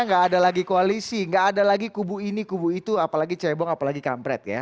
nggak ada lagi koalisi gak ada lagi kubu ini kubu itu apalagi cebong apalagi kampret ya